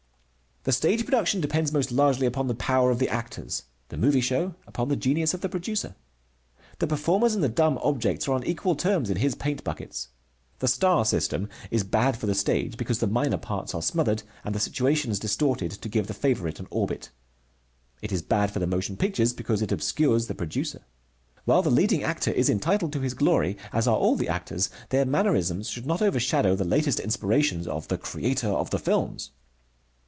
The stage production depends most largely upon the power of the actors, the movie show upon the genius of the producer. The performers and the dumb objects are on equal terms in his paint buckets. The star system is bad for the stage because the minor parts are smothered and the situations distorted to give the favorite an orbit. It is bad for the motion pictures because it obscures the producer. While the leading actor is entitled to his glory, as are all the actors, their mannerisms should not overshadow the latest inspirations of the creator of the films.